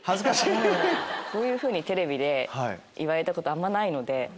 こういうふうにテレビで言われたことあんまないので。